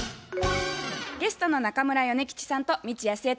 ゲストの中村米吉さんと未知やすえ